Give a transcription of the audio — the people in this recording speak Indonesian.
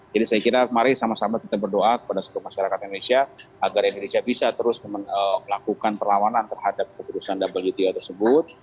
jadi saya kira mari sama sama kita berdoa kepada satu masyarakat indonesia agar indonesia bisa terus melakukan perlawanan terhadap keputusan wto tersebut